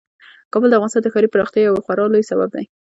کابل د افغانستان د ښاري پراختیا یو خورا لوی سبب دی.